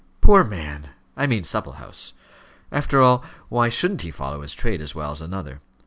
"Poor man! I mean Supplehouse. After all, why shouldn't he follow his trade as well as another?